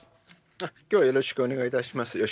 きょうはよろしくお願いいたします。